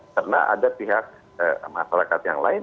karena ada pihak masyarakat yang lain